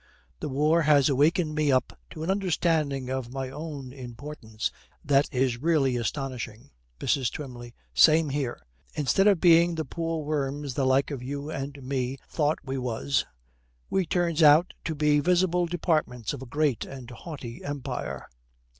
The war has wakened me up to a understanding of my own importance that is really astonishing.' MRS. TWYMLEY. 'Same here. Instead of being the poor worms the like of you and me thought we was, we turns out to be visible departments of a great and haughty empire.'